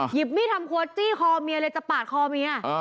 หยิบมีดทำครัวจี้คอเมียเลยจะปาดคอเมีย